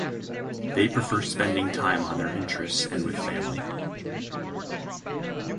They prefer spending time on their interests and with family.